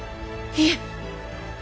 いえ